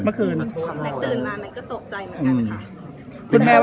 แมทตื่นมา้มันก็ตกใจเหมือนกันอืม